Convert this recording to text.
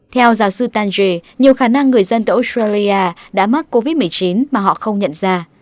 theo giáo sư tangje nhiều khả năng người dân tại australia đã mắc covid một mươi chín mà họ không nhận ra